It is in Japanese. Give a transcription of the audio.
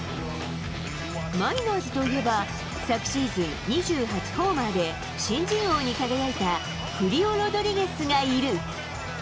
マリナーズといえば、昨シーズン２８ホーマーで、新人王に輝いたフリオ・ロドリゲスがいる。